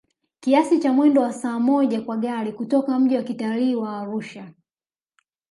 kiasi cha mwendo wa saa moja kwa gari kutoka mji wa kitalii wa Arusha